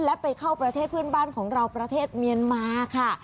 และไปเข้าประเทศเพื่อนบ้านของเราประเทศเมียนมาค่ะ